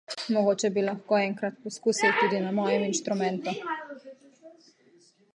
Mogoče bi lahko enkrat poskusil tudi na mojem inštrumentu.